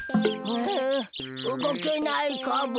あうごけないカボ。